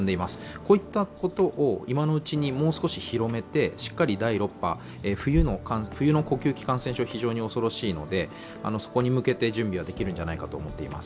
こういったことを今のうちにもう少し広めてしっかり第６波、冬の呼吸器感染症は非常に恐ろしいので、そこに向けて準備ができるんじゃないかと思っています。